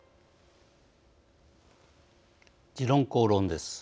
「時論公論」です。